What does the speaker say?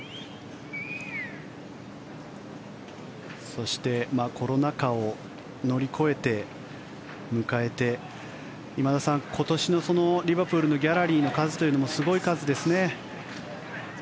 そしてコロナ禍を乗り越えて、迎えて今田さん、今年のリバプールのギャラリーの数というのもすごい数ですね。